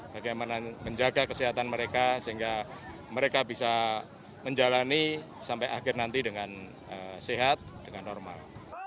bagaimana menjaga kesehatan mereka sehingga mereka bisa menjalani sampai akhir nanti dengan sehat dengan normal